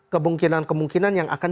kemungkinan kemungkinan yang akan